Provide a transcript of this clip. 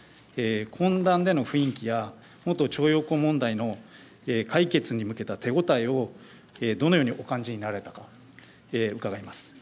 懇談での雰囲気や元徴用工問題への解決に向けた手応えをどのようにお感じになられたか伺います。